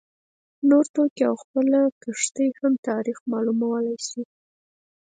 نور توکي او خپله کښتۍ هم تاریخ معلومولای شي